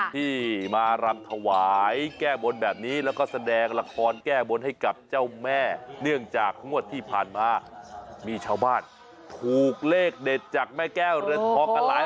ที่มารำถวายแก้บนแบบนี้แล้วก็แสดงละครแก้บนให้กับเจ้าแม่เนื่องจากงวดที่ผ่านมามีชาวบ้านถูกเลขเด็ดจากแม่แก้วเรือนทองกันหลาย